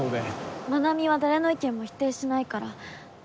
愛未は誰の意見も否定しないから。